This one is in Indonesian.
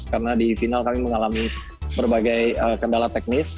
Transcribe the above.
karena di final kami mengalami berbagai kendala teknis